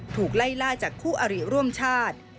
ถูกไล่ล่าจากคู่อริร่วมชาติ